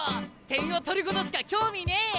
点を取ることしか興味ねえ！